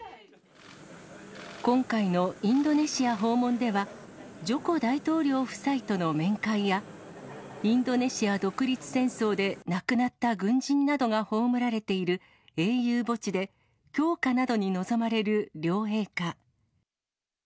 今回のインドネシア訪問では、ジョコ大統領夫妻との面会や、インドネシア独立戦争で亡くなった軍人などが葬られている英雄墓地で、供花などに臨まれる両陛下。